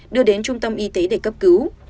đưa đến trung tâm y tế để cấp cứu